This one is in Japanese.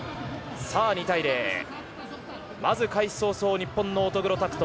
２対０まず開始早々、日本の乙黒拓斗